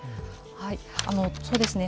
そうですね。